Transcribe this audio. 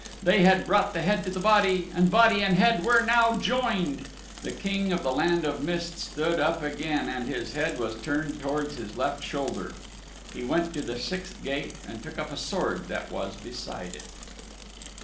They had brought the head to the body, and body and head were now joined. The King of the Land of Mist stood up again, and his head was turned towards his left shoulder. He went to the sixth gate and took up a sword that was beside it.